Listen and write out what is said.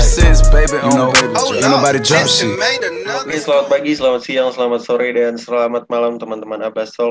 selamat pagi selamat siang selamat sore dan selamat malam teman teman abasol